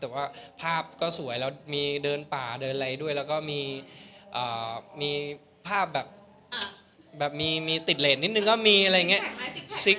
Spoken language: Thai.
แต่ว่าภาพก็สวยแล้วมีเดินป่าเดินอะไรด้วยแล้วก็มีภาพแบบมีติดเลสนิดนึงก็มีอะไรอย่างนี้